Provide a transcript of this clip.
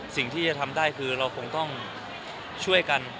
สิ่งที่จะทำได้คือเราคงต้องช่วยกัน